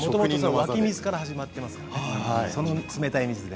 湧き水から始まってますからね、冷たい水で。